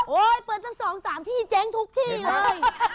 โอ๊ยเปิดสักสองสามที่เจ๊งทุกที่เลย